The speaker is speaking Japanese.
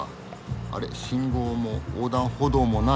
あれ信号も横断歩道もない。